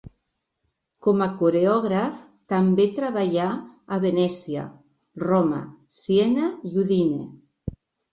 Com a coreògraf també treballà a Venècia, Roma, Siena i Udine.